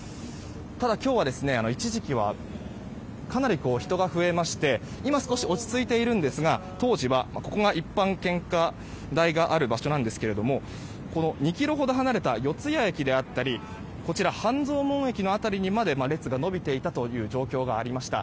ただ今日は、一時期はかなり人が増えまして今少し落ち着いているんですが当時はここが一般献花台がある場所なんですけれども２ｋｍほど離れた四ツ谷駅であったり半蔵門駅の辺りにまで列が延びていた状況がありました。